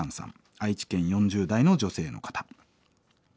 愛知県４０代の女性の方。